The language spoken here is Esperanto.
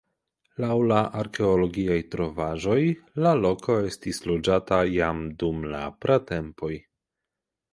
Laŭ la arkeologiaj trovaĵoj la loko estis loĝata jam dum la pratempoj.